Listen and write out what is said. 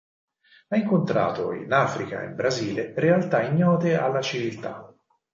Ha incontrato in Africa e Brasile realtà ignote alla civiltà.